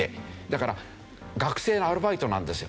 だから学生のアルバイトなんですよ